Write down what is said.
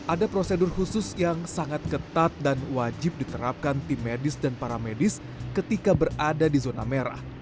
ada prosedur khusus yang sangat ketat dan wajib diterapkan tim medis dan para medis ketika berada di zona merah